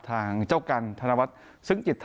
ทางเจ้ากันธนวซึ้งจิตธวร